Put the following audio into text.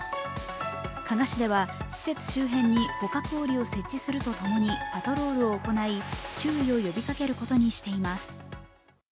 加賀市では施設周辺に捕獲おりを設置するとともにパトロールを行い注意を呼びかけることにしています。